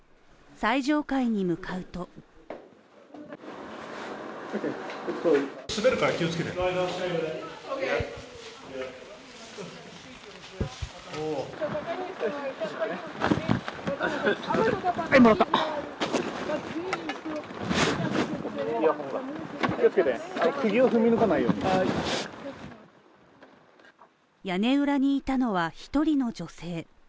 最上階に向かうと屋根裏にいたのは、一人の女性。